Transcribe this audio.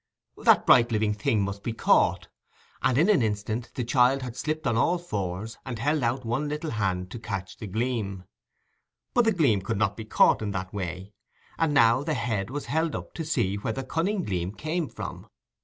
That bright living thing must be caught; and in an instant the child had slipped on all fours, and held out one little hand to catch the gleam. But the gleam would not be caught in that way, and now the head was held up to see where the cunning gleam came from.